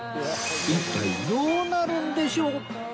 一体どうなるんでしょう？